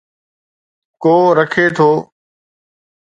ڪو رکي ٿو